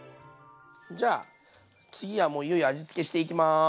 じゃ次はもういよいよ味付けしていきます。